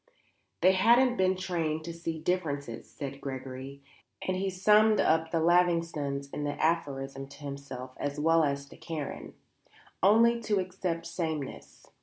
"They haven't been trained to see differences," said Gregory, and he summed up the Lavingtons in the aphorism to himself as well as to Karen; "only to accept samenesses."